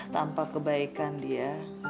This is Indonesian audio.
tanpa kebaikan dia